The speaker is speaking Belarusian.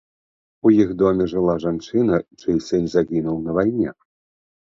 У іх доме жыла жанчына, чый сын загінуў на вайне.